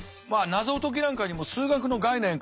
謎解きなんかにも数学の概念考え方